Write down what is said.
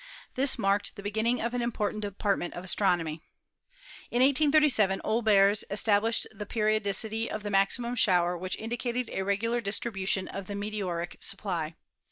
This marked the beginning of an important department of astronomy. In 1837 Olbers established the periodicity of the maximum shower which indicated a regular distribution of the meteoric supply.